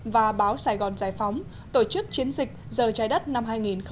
và báo sài gòn giải phóng tổ chức chiến dịch giờ trái đất năm hai nghìn một mươi chín